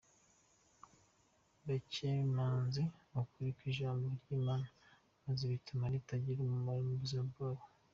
Bakemanze ukuri kw’Ijambo ry’Imana maze bituma ritagira umumaro mu buzima bwabo.